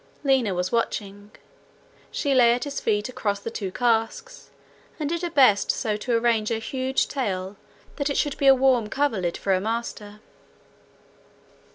Lina was watching. She lay at his feet, across the two casks, and did her best so to arrange her huge tail that it should be a warm coverlid for her master.